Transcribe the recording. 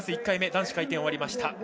１回目男子回転終わりました。